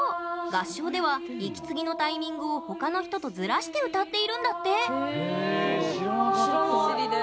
合唱では息継ぎのタイミングを他の人とずらして歌っているんだって。